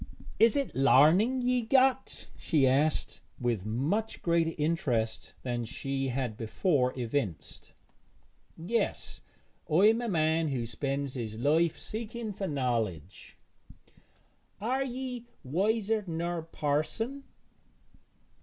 'Is't larning ye've got?' she asked, with much greater interest than she had before evinced. 'Yes; I am a man who spends his life seeking for knowledge.' 'Are ye wiser ner parson?'